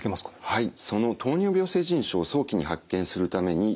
はい。